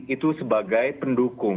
itu sebagai pendukung